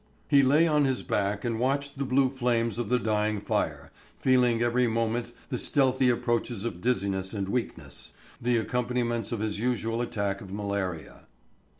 He lay on his back and watched the blue flames of the dying fire, feeling every moment the stealthy approaches of dizziness and weakness, the accompaniments of his usual attack of malaria.